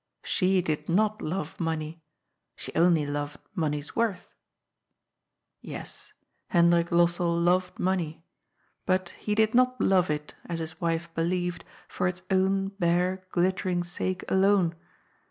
" She did not love money. She only loved money's worth. Yes, Hendrik Lossell loved money. But he did not love it, as his wife believed, for its own bare, glittering sake alone.